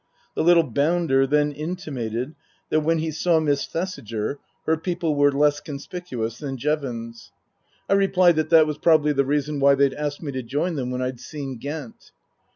The little bounder then intimated that when he saw Miss Thesiger her people were less conspicuous than Jevons. I replied that that was probably the reason why they'd asked me to join them when I'd seen Ghent.